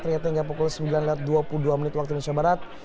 ternyata hingga pukul sembilan lewat dua puluh dua menit waktu indonesia barat